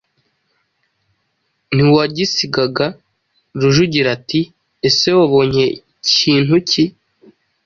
ntiwagisigaga !» Rujugira, ati «Ese wabonye kintu ki?»